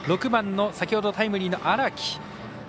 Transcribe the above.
６番の先ほどタイムリーの荒木。